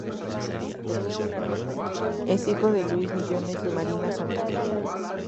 Es hijo de Luis Millones y Marina Santa Gadea.